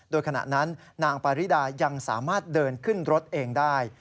โดยขณะนั้นนางปาริดายังสามารถเดินขึ้นรถเองได้